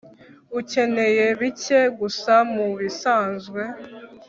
ukeneye bike gusa mubisanzwe